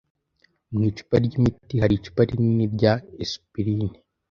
Mu icupa ry’imiti hari icupa rinini rya aspirine.